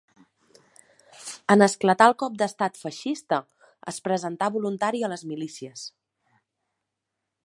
En esclatar el cop d'estat feixista es presentà voluntari a les milícies.